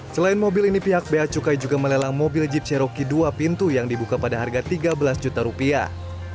selain mobil ini pihak bacukai juga melelang mobil jeep cherokee dua pintu yang dibuka pada harga tiga belas juta rupiah